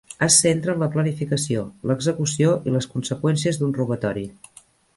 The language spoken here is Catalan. Es centra en la planificació, l'execució i les conseqüències d'un robatori.